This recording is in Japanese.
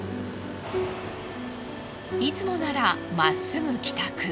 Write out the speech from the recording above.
いつもならまっすぐ帰宅。